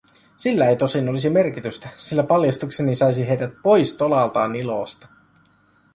Sillä ei tosin olisi merkitystä, sillä paljastukseni saisi heidät pois tolaltaan ilosta.